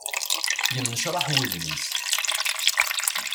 Yennecraḥ wudem-is.